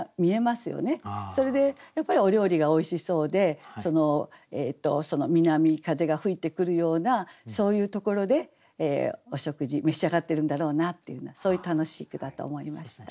それでやっぱりお料理がおいしそうでその南風が吹いてくるようなそういうところでお食事召し上がってるんだろうなっていうようなそういう楽しい句だと思いました。